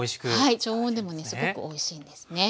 はい常温でもねすごくおいしいんですね。